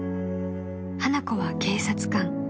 ［花子は警察官］